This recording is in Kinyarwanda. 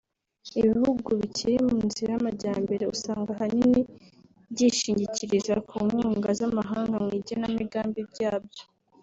Ibihugu bikiri mu nzira y’amajyambere usanga ahanini byishingikiriza ku nkunga z’amahanga mu igenamigambi ryabyo